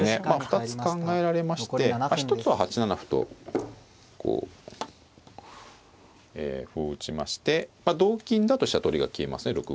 まあ２つ考えられまして一つは８七歩とこう歩を打ちまして同金だと飛車取りが消えますね。